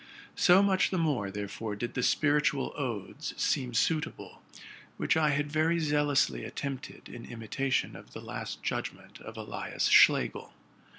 So much the more, therefore, did the spiritual odes seem suitable, which I had very zealously attempted in imitation of the "* Last Judgement'? of Elias Schlegel.